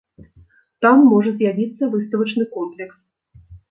Там можа з'явіцца выставачны комплекс.